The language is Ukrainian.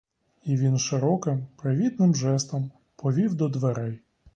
І він широким, привітним жестом повів до дверей.